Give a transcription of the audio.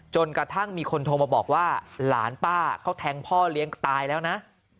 จนกระทั่งมีคนโทรมาบอกว่าหลานป้าเขาแทงพ่อเลี้ยงตายแล้วนะ